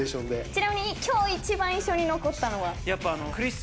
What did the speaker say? ちなみに今日一番印象に残ったのは。